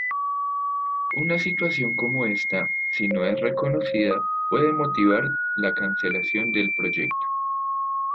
Una situación como esta, si no es reconocida, puede motivar la cancelación del proyecto.